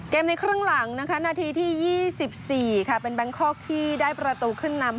ในครึ่งหลังนะคะนาทีที่๒๔ค่ะเป็นแบงคอกที่ได้ประตูขึ้นนำ